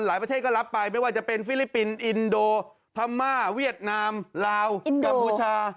ประเทศก็รับไปไม่ว่าจะเป็นฟิลิปปินส์อินโดพม่าเวียดนามลาวกัมพูชา